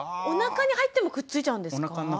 おなかに入ってもくっついちゃうんですか？